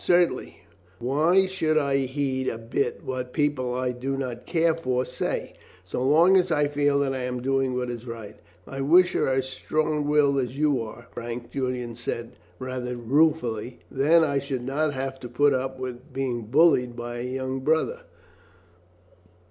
"Certainly; why should I heed a bit what people I do not care for say, so long as I feel that I am doing what is right." "I wish I were as strong willed as you are, Frank," Julian said rather ruefully, "then I should not have to put up with being bullied by a young brother."